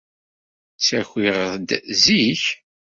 Ttakiɣ-d zik.